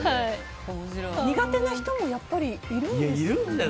苦手な人もやっぱりいるんですね。